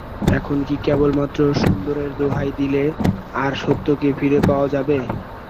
এখন কি কেবলমাত্র সুন্দরের দোহাই দিলে আর সত্যকে ফিরে পাওয়া যাবে?